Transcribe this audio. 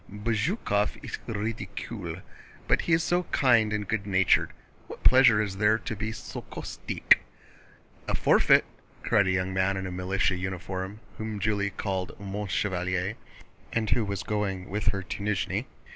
"Bezúkhov est ridicule, but he is so kind and good natured. What pleasure is there to be so caustique?" "A forfeit!" cried a young man in militia uniform whom Julie called "mon chevalier," and who was going with her to Nízhni.